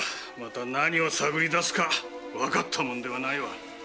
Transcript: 何を探り出すかわかったものではないわ。